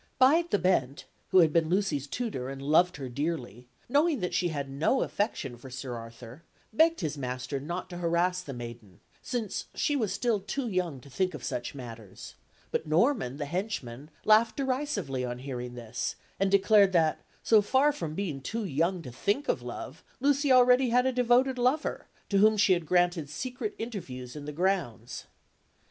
Bide the Bent, who had been Lucy's tutor, and loved her dearly, knowing that she had no affection for Sir Arthur, begged his master not to harass the maiden, since she was still too young to think of such matters; but Norman, the henchman, laughed derisively on hearing this, and declared that, so far from being too young to think of love, Lucy already had a devoted lover, to whom she granted secret interviews in the grounds.